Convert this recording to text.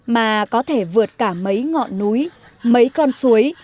mà có thể vượt cả mấy ngọn núi mấy con suối